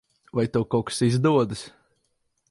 Vai tev kaut kas izdodas?